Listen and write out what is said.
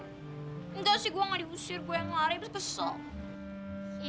enggak sih gue gak diusir gue yang lari terus pesok